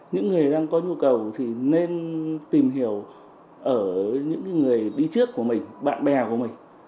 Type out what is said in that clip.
những người đang có nhu cầu thì nên tìm hiểu ở những người đi trước của mình bạn bè của mình